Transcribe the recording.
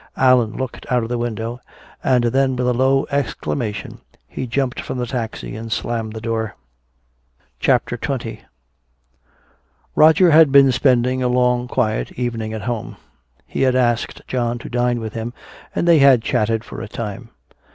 Allan looked out of the window, and then with a low exclamation he jumped from the taxi and slammed the door. CHAPTER XX Roger had been spending a long quiet evening at home. He had asked John to dine with him and they had chatted for a time.